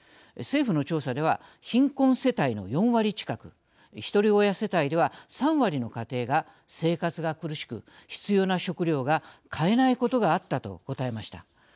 政府の調査では貧困世帯の４割近くひとり親世帯では、３割の家庭が生活が苦しく、必要な食料が買えないことがあったと答えました。